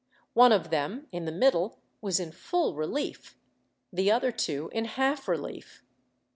One of them, in the middle, was in full relief, the other two in half relief.